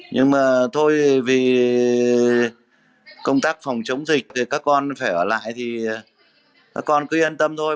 nhưng mà thôi vì công tác phòng chống dịch thì các con phải ở lại thì các con tuy an tâm thôi